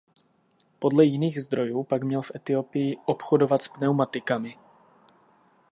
Podle jiných zdrojů pak měl v Etiopii obchodovat s pneumatikami.